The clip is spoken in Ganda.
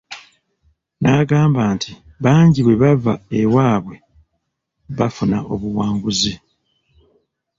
N'agamba nti bangi bwe bava ewaabwe bafuna obuwanguzi.